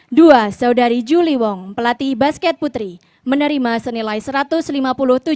enam medali emas pelatih saudara juli wong pelatih basket putri menerima senilai satu ratus lima puluh tujuh lima ratus rupiah